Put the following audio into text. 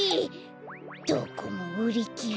どこもうりきれ。